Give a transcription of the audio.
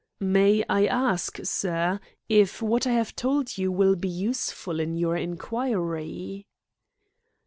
"May I ask, sir, if what I have told you will be useful in your inquiry?"